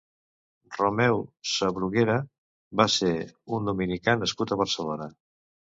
Romeu Sabruguera va ser un dominicà nascut a Barcelona.